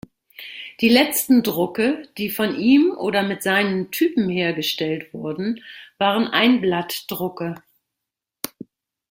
Die letzten Drucke, die von ihm oder mit seinen Typen hergestellt wurden, waren Einblattdrucke.